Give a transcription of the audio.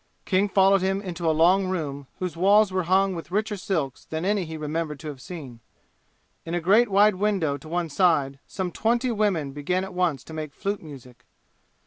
King followed him into a long room, whose walls were hung with richer silks than any he remembered to have seen. In a great wide window to one side some twenty women began at once to make flute music.